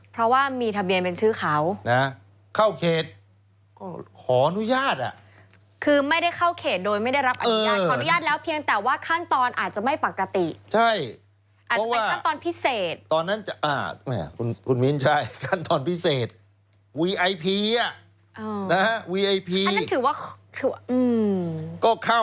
เพราะว่ามีทะเบียนเป็นชื่อเขา